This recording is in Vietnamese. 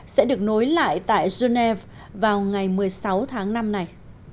sẽ được nối lại tại genève vào ngày một mươi sáu tháng năm này